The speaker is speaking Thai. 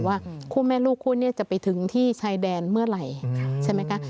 ว่าคู่แม่ลูกคู่นี้จะไปถึงที่ชายแดนเมื่อไหร่ใช่ไหมคะ